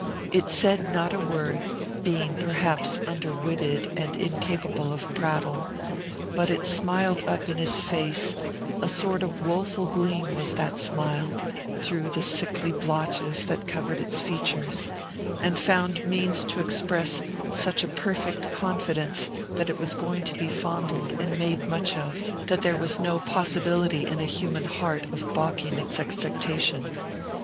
It said not a word, being perhaps under witted and incapable of prattle. But it smiled up in his face, a sort of woful gleam was that smile, through the sickly blotches that covered its features, and found means to express such a perfect confidence that it was going to be fondled and made much of, that there was no possibility in a human heart of balking its expectation.